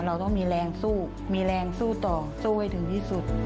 เราต้องมีแรงสู้มีแรงสู้ต่อสู้ให้ถึงที่สุด